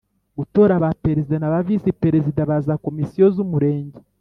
gutora ba perezida na ba visi perezida ba za komisiyo z umurenge